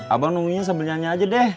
abang nunggunya sambil nyanyi aja deh